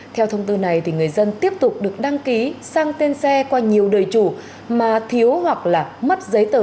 theo thông tư này người dân tiếp tục được đăng ký sang tên xe qua nhiều đời chủ mà thiếu hoặc là mất giấy tờ